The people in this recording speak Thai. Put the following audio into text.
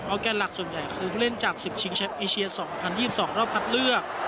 ออกแกนหลักส่วนใหญ่คือผู้เล่นจากสิบชิงแชปเอเชียสองพันยี่สิบสองรอบคัดเลือก